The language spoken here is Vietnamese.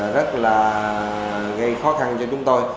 rất là gây khó khăn cho chúng tôi